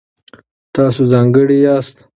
تاسو ځانګړي یاست.